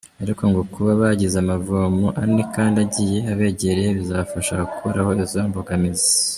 Ariko ngo kuba bagize amavomo ane kandi agiye abegereye bizabafasha gukuraho izo mbogamizi.